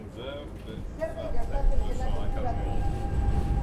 Zerbait gertatzen zela konturatu nintzen.